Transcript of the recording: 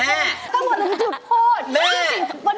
แม่แม่แม่ก็หมดแล้วจุดโภด